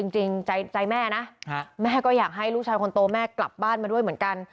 จริงใจแม่นะแม่ก็อยากให้ลูกชายคนโตแม่กลับบ้านมาด้วยเหมือนกัน